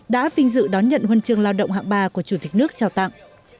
đã vinh dự đón nhận huân chương lao động hạng ba của chủ tịch nước trao tặng